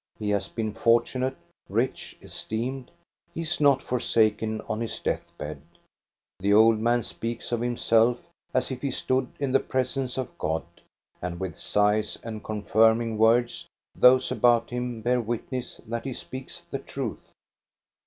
He has been fortunate, rich, esteemed. He is not forsaken on his death bed. The old man speaks of himself as if he stood in the presence of God, and with sighs and confirming words those about him bear witness that he speaks the truth.